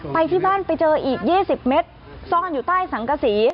ไปที่บ้านไปเจออีก๒๐เมตรซ่อนอยู่ใต้สังกษี